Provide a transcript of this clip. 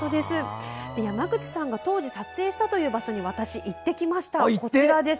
山口さんが当時撮影したという場所に行ってみました。